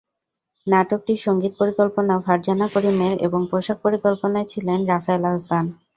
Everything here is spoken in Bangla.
নাটকটির সংগীত পরিকল্পনা ফারজানা করিমের এবং পোশাক পরিকল্পনায় ছিলেন রাফায়েল আহসান।